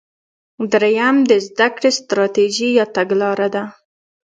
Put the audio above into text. دریم د زده کړې ستراتیژي یا تګلاره ده.